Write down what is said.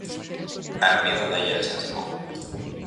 A ermida da illa de San Simón.